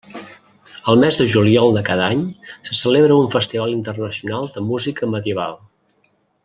Al mes de juliol de cada any se celebra un festival internacional de música medieval.